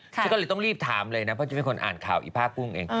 ฉันก็เลยต้องรีบถามเลยนะเพราะฉันเป็นคนอ่านข่าวอีผ้ากุ้งเอง